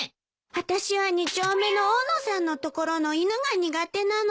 私は２丁目の大野さんのところの犬が苦手なの。